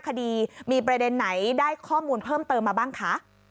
คดีมีประเด็นไหนได้ข้อมูลเพิ่มเติมมาบ้างคะ